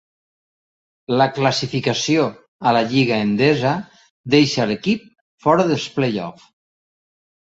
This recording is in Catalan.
La classificació a la Lliga Endesa deixa l'equip fora dels play-offs.